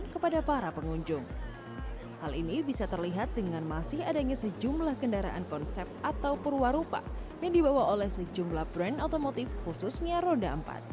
kepada para pengunjung hal ini bisa terlihat dengan masih adanya sejumlah kendaraan konsep atau perwarupa yang dibawa oleh sejumlah brand otomotif khususnya roda empat